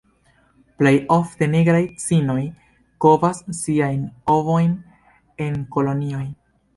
Plej ofte Nigraj cignoj kovas siajn ovojn en kolonioj.